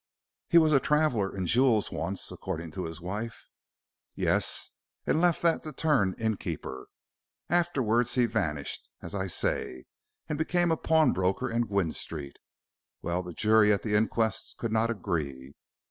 "He was a traveller in jewels once, according to his wife." "Yes, and left that to turn innkeeper. Afterwards he vanished, as I say, and became a pawnbroker in Gwynne Street. Well, the jury at the inquest could not agree.